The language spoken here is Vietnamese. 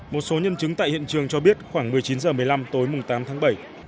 một số nhân chứng tại hiện trường cho biết khoảng một mươi chín h một mươi năm tối tám tháng bảy